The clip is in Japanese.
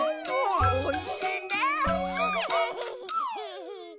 おいしいね。